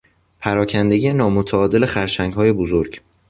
پراکندگی نامتعادل خرچنگهای بزرگ